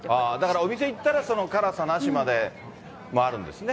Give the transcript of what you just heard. お店行ったら、辛さなしまであるんですね。